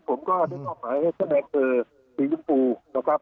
ผมก็ได้บอกหมายให้แสดงสีชมพูนะครับ